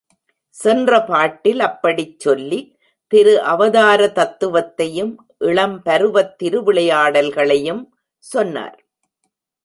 சென்ற பாட்டில் அப்படிச் சொல்லி, திரு அவதாரதத்துவத்தையும், இளம்பருவத் திருவிளையாடல்களையும் சொன்னார்.